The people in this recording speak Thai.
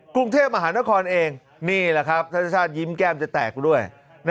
กรุงเทพมหานครเองนี่แหละครับท่านชาติยิ้มแก้มจะแตกด้วย